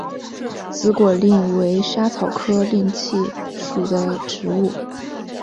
紫果蔺为莎草科荸荠属的植物。